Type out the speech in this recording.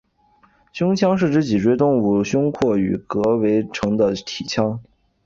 胸腔是指脊椎动物胸廓与膈围成的体腔。